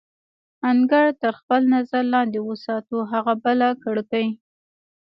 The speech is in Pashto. انګړ تر خپل نظر لاندې وساتو، هغه بله کړکۍ.